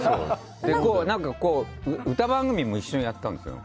何か歌番組も一緒にやったんです